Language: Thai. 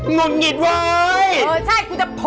งุ่นหยิดเว้ยเออใช่